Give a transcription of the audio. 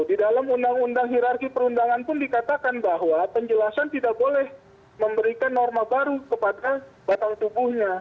di dalam undang undang hirarki perundangan pun dikatakan bahwa penjelasan tidak boleh memberikan norma baru kepada batal tubuhnya